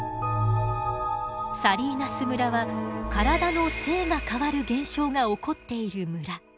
サリーナス村は体の性が変わる現象が起こっている村。